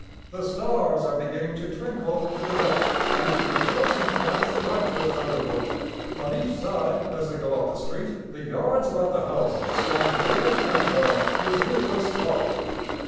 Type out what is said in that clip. The stars are beginning to twinkle through the dusk, and the frozen path crunches underfoot. On each side, as they go up the street, the yards about the houses stand bare and gaunt with leafless stalks.